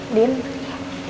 ndien jaga kesehatan ya